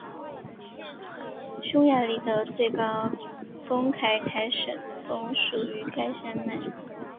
匈牙利的最高峰凯凯什峰属于该山脉。